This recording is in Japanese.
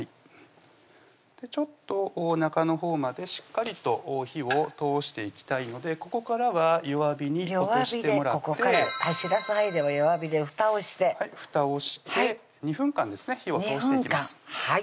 ちょっと中のほうまでしっかりと火を通していきたいのでここからは弱火に落としてもらってしらす入れば弱火で蓋をして蓋をして２分間ですね火を通していきます